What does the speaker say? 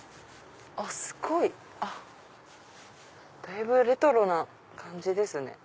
すごい！だいぶレトロな感じですね。